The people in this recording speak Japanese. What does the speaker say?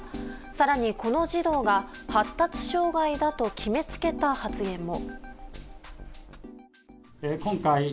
更に、この児童が発達障害だと決めつけた発言も。